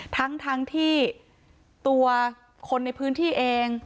ทั้งที่ตัวคนในพื้นที่เอง